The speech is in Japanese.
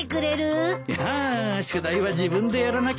いや宿題は自分でやらなきゃね。